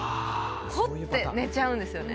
ほって寝ちゃうんですよね。